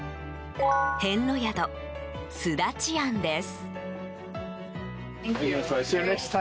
遍路宿、すだち庵です。